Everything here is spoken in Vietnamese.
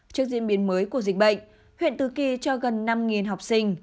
trước diễn biến mới của dịch bệnh huyện tứ kỳ cho gần năm học sinh